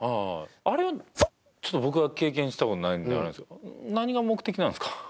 あれは僕は経験したことないんであれなんですけど何が目的なんですか？